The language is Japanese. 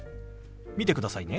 見てくださいね。